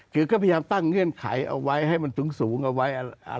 คือก็พยายามตั้งเงื่อนไขเอาไว้ให้มันสูงสูงเอาไว้